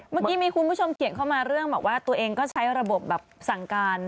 เมื่อกี้มีคุณผู้ชมเขียนเข้ามาเรื่องบอกว่าตัวเองก็ใช้ระบบแบบสั่งการ